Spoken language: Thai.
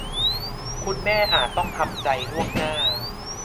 คุณแม่อาจต้องทำใจล่วงหน้า